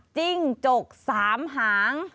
จิ้งจก๓หาง